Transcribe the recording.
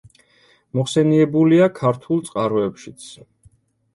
მოხსენიებულია ქართულ წყაროებშიც.